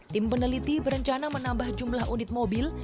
tim peneliti berencana menambah jumlah unit mobil